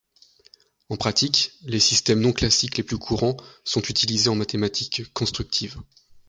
En pratique, les systèmes non-classiques les plus courants sont utilisés en mathématiques constructives.